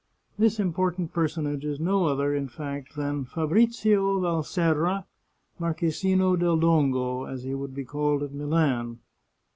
This important personage is no other, in fact, than Fabrizio Valserra, Marchesino del Dongo, as he would be called at Milan.